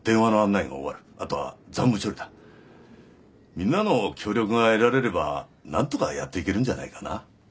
みんなの協力が得られれば何とかやっていけるんじゃないかな。